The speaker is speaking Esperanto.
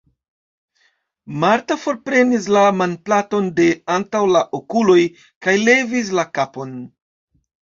Marta forprenis la manplaton de antaŭ la okuloj kaj levis la kapon.